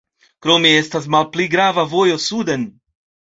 Krome estas malpli grava vojo suden.